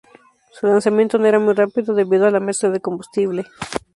Su lanzamiento no era muy rápido debido a la mezcla de combustible.